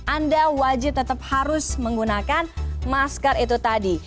anda wajib tetap harus menggunakan masker itu tadi